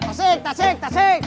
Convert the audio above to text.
tasik tasik tasik